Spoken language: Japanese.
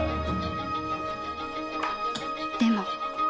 でも。